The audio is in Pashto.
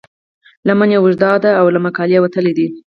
لمن یې اوږده ده او له مقالې وتلې ده.